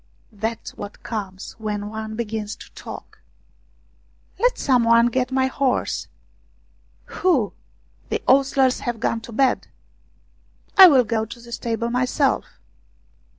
That's what comes when one begins to talk. " Let some one get my horse !"" Who ? The ostlers have gone to bed." " I will go to the stables myself."